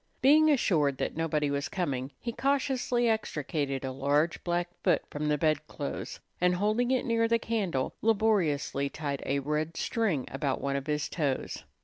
Being assured that nobody was coming, he cautiously extricated a large black foot from the bedclothes, and, holding it near the candle, laboriously tied a red string about one of his toes.